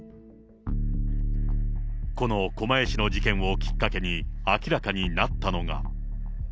この狛江市の事件をきっかけに、明らかになったのが。